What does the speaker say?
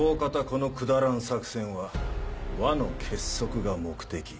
このくだらん作戦は輪の結束が目的。